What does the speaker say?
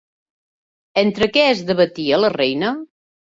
Entre què es debatia la reina?